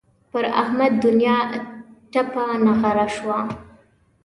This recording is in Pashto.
پر احمد دونیا ټپه ټغره شوه.